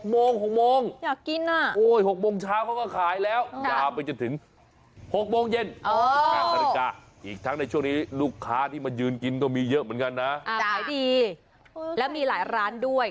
โมง๖โมงอยากกินอ่ะโอ้ย๖โมงเช้าเขาก็ขายแล้วยาวไปจนถึง๖โมงเย็น๑๘นาฬิกาอีกทั้งในช่วงนี้ลูกค้าที่มายืนกินก็มีเยอะเหมือนกันนะขายดีแล้วมีหลายร้านด้วย